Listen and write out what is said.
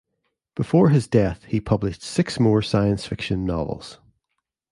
Before his death he published six more science fiction novels.